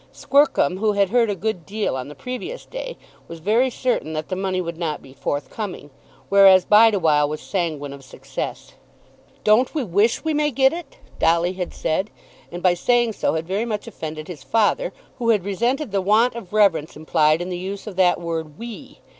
Squercum, who had heard a good deal on the previous day, was very certain that the money would not be forthcoming, whereas Bideawhile was sanguine of success. "Don't we wish we may get it?" Dolly had said, and by saying so had very much offended his father, who had resented the want of reverence implied in the use of that word "we."